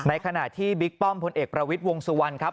ขณะที่บิ๊กป้อมพลเอกประวิทย์วงสุวรรณครับ